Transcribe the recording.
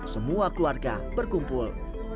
semua keluarga berkumpul